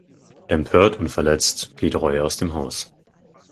Empört und verletzt flieht Roy aus dem Haus.